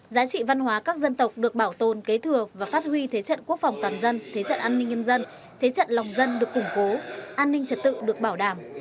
giá trị văn hóa các dân tộc được bảo tồn kế thừa và phát huy thế trận quốc phòng toàn dân thế trận an ninh nhân dân thế trận lòng dân được củng cố an ninh trật tự được bảo đảm